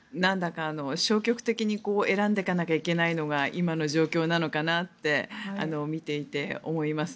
消極的に選んでいかなきゃいけないのが今の状況なのかなって見ていて思います。